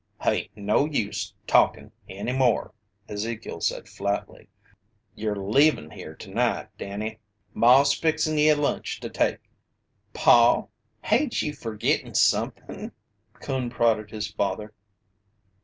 "Hain't no use talkin' any more," Ezekiel said flatly. "Ye'r leavin' here tonight, Danny. Maw's fixin' ye a lunch to take." "Paw, hain't you forgittin' something?" Coon prodded his father.